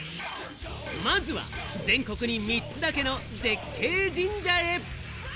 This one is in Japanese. まずは全国に３つだけの絶景神社へ。